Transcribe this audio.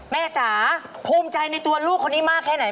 จ๋าภูมิใจในตัวลูกคนนี้มากแค่ไหน